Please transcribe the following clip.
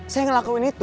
terima kasih akhirat